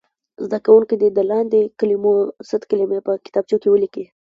زده کوونکي دې د لاندې کلمو ضد کلمې په کتابچو کې ولیکي.